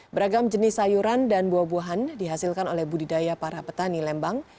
beragam jenis sayuran dan buah buahan dihasilkan oleh budidaya para petani lembang